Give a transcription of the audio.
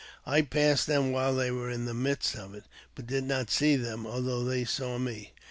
I passed them while they were in the midst of it, but did not see them, although they saw me.